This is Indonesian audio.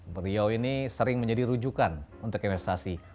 beliau ini sering menjadi rujukan untuk investasi